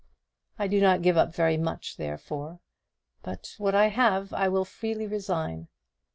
I do not give up very much, therefore, but what I have I freely resign.